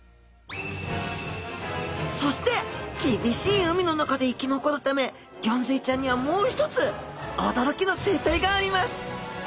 そして厳しい海の中で生き残るためギョンズイちゃんにはもう一つ驚きの生態があります